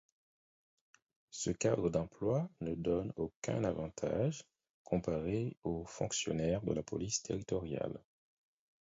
Ce cadre d'emploi ne donne aucun avantage comparé aux fonctionnaires de la police territoriale.